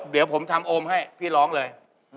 เดี๋ยวผมทำโอมให้พี่ร้องเลย